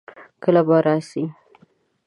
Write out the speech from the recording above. کله به راسې؟